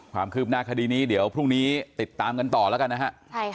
ความคืบหน้าคดีนี้เดี๋ยวพรุ่งนี้ติดตามกันต่อแล้วกันนะฮะ